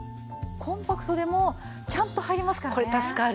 コンパクトでもちゃんと入りますからね。